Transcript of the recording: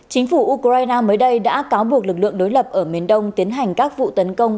chính phủ ukraine mới đây đã cáo buộc lực lượng đối lập ở miền đông tiến hành các vụ tấn công